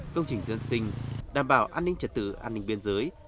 công trình dân sinh đảm bảo an ninh trật tự an ninh biên giới